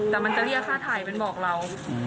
แต่มันจะเรียกค่าถ่ายมันบอกเรา